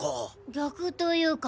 逆というか。